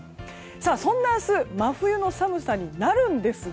そんな明日真冬の寒さになるんですが